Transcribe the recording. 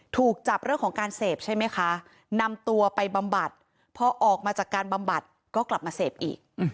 ถูกจับเรื่องของการเสพใช่ไหมคะนำตัวไปบำบัดพอออกมาจากการบำบัดก็กลับมาเสพอีก